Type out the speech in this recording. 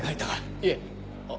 いえあっ。